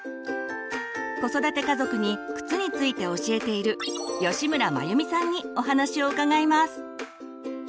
子育て家族に靴について教えている吉村眞由美さんにお話を伺います。